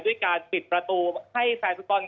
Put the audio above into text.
ด้วยการปิดประตูให้ไซส์สุดต้อน